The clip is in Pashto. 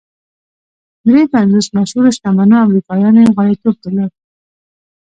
درې پنځوس مشهورو شتمنو امریکایانو یې غړیتوب درلود